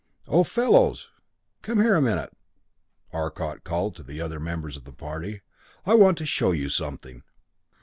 "Oh fellows come here a minute!" Arcot called to the other members of the party. "I want to show you something."